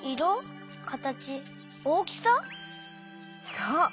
そう。